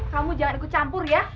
kamu jangan ikut campur ya